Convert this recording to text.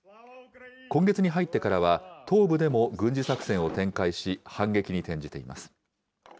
今月に入ってからは東部でも軍事作戦を展開し、反撃に転じています。